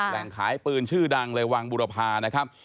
แหล่งขายปืนชื่อดังในวังบุรพานะครับ